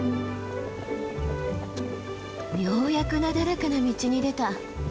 ようやくなだらかな道に出た。